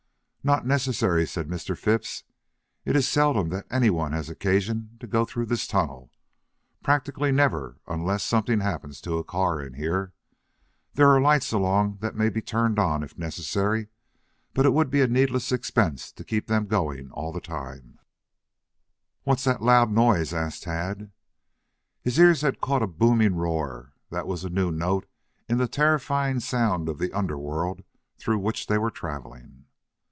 "Not necessary," said Mr. Phipps. "It is seldom that anyone has occasion to go through this tunnel practically never unless something happens to a car in here. There are lights along that may be turned on if necessary, but it would be a needless expense to keep them going all the time " "What's that loud noise?" asked Tad. His ears had caught a booming roar that was a new note in the terrifying sounds of the underworld through which they were traveling.